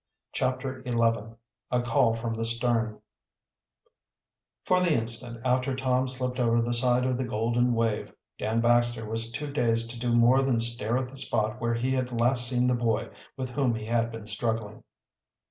CHAPTER XI A CALL FROM THE STERN For the instant after Tom slipped over the side of the Golden Wave, Dan Baxter was too dazed to do more than stare at the spot where he had last seen the boy with whom he had been struggling.